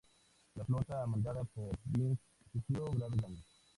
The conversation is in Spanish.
La flota mandada por Byng sufrió graves daños.